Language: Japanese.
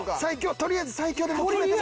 とりあえず西京で決めて。